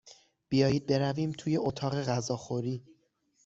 بیایید برویم توی اتاق غذاخوری.